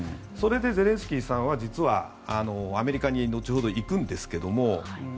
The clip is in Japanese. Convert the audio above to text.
それで、ゼレンスキーさんは実はアメリカに後ほど行くんですが。